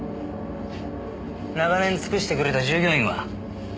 長年尽くしてくれた従業員は？